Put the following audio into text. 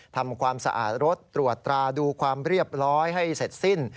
ทำความสะอาดรถตรวจตราดูความเรียบร้อยให้เสร็จสิ้น